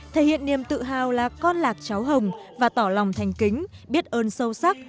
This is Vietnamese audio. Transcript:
thể hiện niềm tự hào là con lạc cháu hồng và tỏ lòng thành kính biết ơn sâu sắc